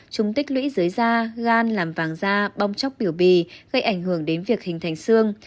chúng tích lũy dưới da gan làm vàng da bong chóc biểu bì gây ảnh hưởng đến việc hình thành xương